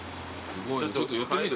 ちょっと寄ってみる？